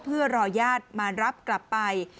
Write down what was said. เพื่อรอญาติมารับกลับไป